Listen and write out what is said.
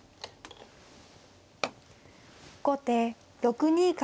後手６二角。